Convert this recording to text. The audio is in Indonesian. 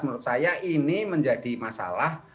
menurut saya ini menjadi masalah